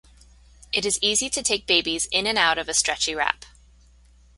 It is easy to take babies in and out of a stretchy wrap.